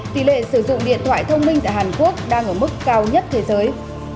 tỷ lệ sử dụng điện thoại thông minh tại hàn quốc đang ở mức cao nhất thế giới